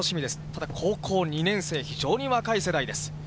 ただ、高校２年生、非常に若い世代です。